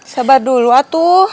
sabar dulu atuh